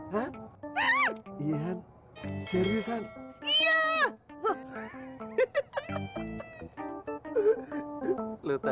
iya han serius han